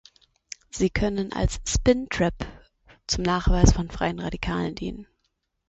Sie können als "Spin trap" zum Nachweis von freien Radikalen dienen.